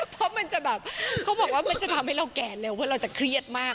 เพราะมันจะแบบเขาบอกว่ามันจะทำให้เราแก่เร็วเพราะเราจะเครียดมาก